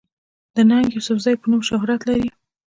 د “ ننګ يوسفزۍ” پۀ نوم شهرت لري